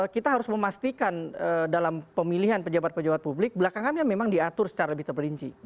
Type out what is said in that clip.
kita harus memastikan dalam pemilihan pejabat pejabat publik belakangannya memang diatur secara lebih terperinci